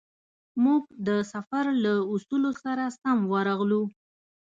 موږ د سفر له اصولو سره سم ورغلو.